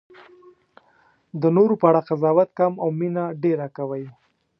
د نورو په اړه قضاوت کم او مینه ډېره کوئ.